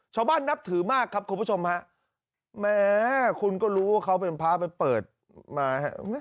นับถือมากครับคุณผู้ชมฮะแม้คุณก็รู้ว่าเขาเป็นพระไปเปิดมาฮะ